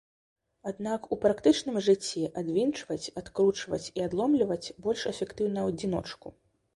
Аднак у практычным жыцці адвінчваць, адкручваць і адломліваць больш эфектыўна ў адзіночку.